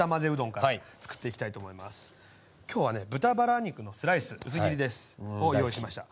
今日はね豚バラ肉のスライス薄切りです。を用意しました。